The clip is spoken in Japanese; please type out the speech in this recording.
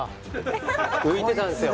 浮いてたんすよ